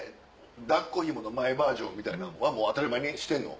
抱っこヒモの前バージョンみたいなんはもう当たり前にしてんの？